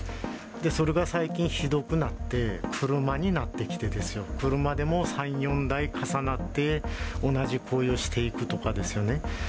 それが最近ひどくなって、車になってきてですよ、車でも３、４台重なって、同じ行為をしていくとかですよね。